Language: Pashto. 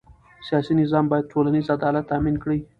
سیاسي نظام باید ټولنیز عدالت تأمین کړي